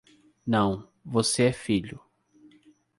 Não, você é filho.